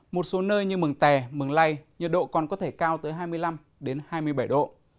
một số nơi như mường tè mường lây nhiệt độ còn có thể cao tới hai mươi năm hai mươi bảy độ